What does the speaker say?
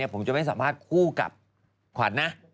ผมจะไม่สัมภาษณ์คู่กับขวัญนะ